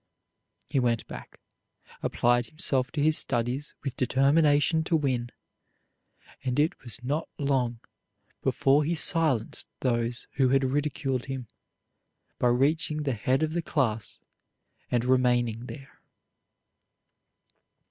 He went back, applied himself to his studies with determination to win, and it was not long before he silenced those who had ridiculed him, by reaching the head of the class, and remaining there.